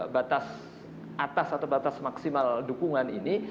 batas atas atau batas maksimal dukungan ini